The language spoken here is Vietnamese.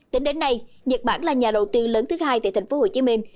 tính đến nay nhật bản là nhà đầu tư lớn thứ hai tại thành phố hồ chí minh